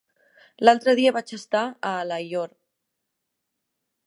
L'altre dia vaig estar a Alaior.